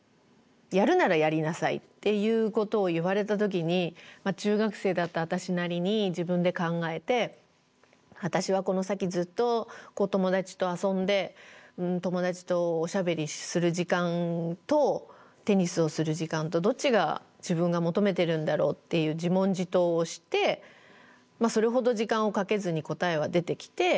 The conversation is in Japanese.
やるならやりなさいっていうことを言われた時に中学生だった私なりに自分で考えて私はこの先ずっと友達と遊んで友達とおしゃべりする時間とテニスをする時間とどっちが自分が求めてるんだろうっていう自問自答をしてそれほど時間をかけずに答えは出てきてやっぱりテニスを選ぶと。